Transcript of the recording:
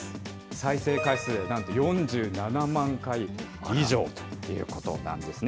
再生回数、なんと４７万回以上ということなんですね。